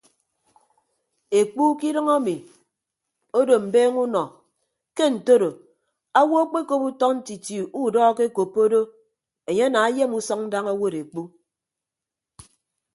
Ekpu ke idʌñ emi odo mbeeñe unọ ke ntoro owo akpekop utọ ntiti udọ akekoppo do enye ana ayem usʌñ daña owod ekpu.